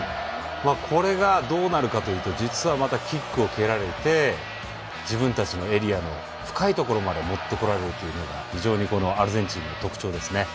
これがどうなるかというとまた実はキックを蹴られて自分たちのエリアの深いところまで持ってこられるというのが非常にアルゼンチンの特徴ですね。